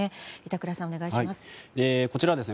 板倉さん、お願いします。